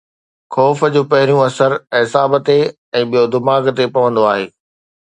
خوف جو پهريون اثر اعصاب تي ۽ ٻيو دماغ تي پوندو آهي.